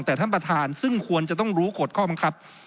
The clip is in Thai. แต่ท่านประธานซึ่งควรจะต้องรู้กฎข้อบังคับ